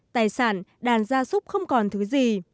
tài sản đàn gia súc không còn thứ gì